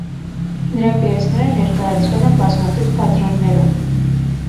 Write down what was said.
Նրա պիեսները ներկայացվել են բազմաթիվ թատրոններում։